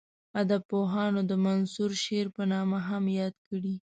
ادبپوهانو د منثور شعر په نامه هم یاد کړی.